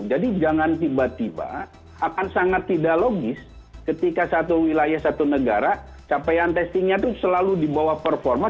jadi jangan tiba tiba akan sangat tidak logis ketika satu wilayah satu negara capaian testingnya itu selalu di bawah performa